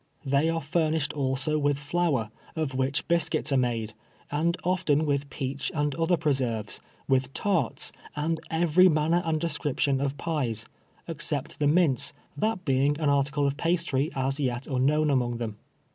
They are furnished also M'itli flour, of which biscuits are made, and often with peach and other preserves, with tarts, and every mamier and de scription of pies, except the mince, that being an ar ticle of pastry as yet unknown among them.